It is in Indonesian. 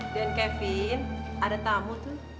dan kevin ada tamu